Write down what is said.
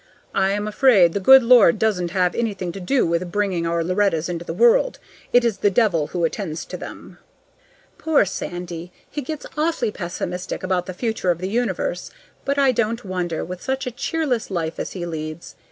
"I'm afraid the good Lord doesn't have anything to do with bringing our Lorettas into the world. It is the devil who attends to them." Poor Sandy! He gets awfully pessimistic about the future of the universe; but I don't wonder, with such a cheerless life as he leads.